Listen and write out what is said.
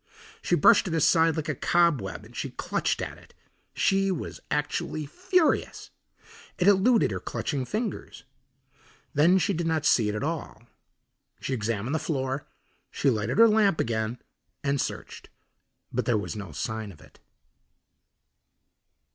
She brushed it aside like a cobweb and she clutched at it. She was actually furious. It eluded her clutching fingers. Then she did not see it at all. She examined the floor, she lighted her lamp again and searched, but there was no sign of it.